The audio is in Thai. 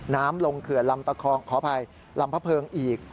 น้ำลงเขื่อนลำพะเพิงอีก